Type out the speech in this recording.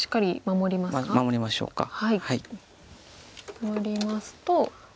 守りますと。